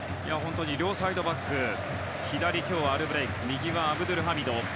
両サイドバックは左はアルブレイク右はアブドゥルハミド。